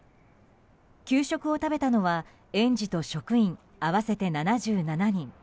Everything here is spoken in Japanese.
給食を食べたのは園児と職員合わせて７７人。